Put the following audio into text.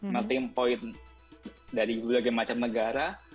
mereka memiliki poin dari berbagai macam negara